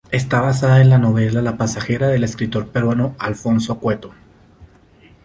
Esta basada en la novela "La pasajera" del escritor peruano Alonso Cueto.